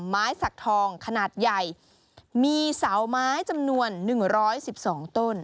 ไม้สักทองขนาดใหญ่มีเสาไม้จำนวนหนึ่งร้อยสิบสองต้น